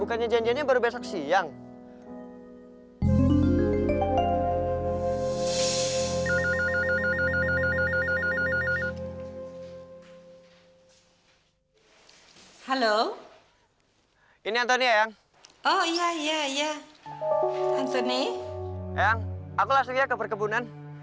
ayang aku langsung ya ke perkebunan